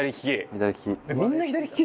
左利き。